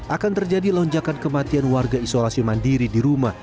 akan terjadi lonjakan kematian warga isolasi mandiri di rumah